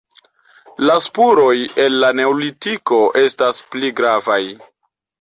La spuroj el la neolitiko estas pli gravaj.